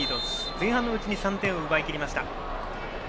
前半のうちに３点を奪いきりました。